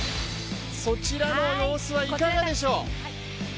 そちらの様子はいかがでしょう？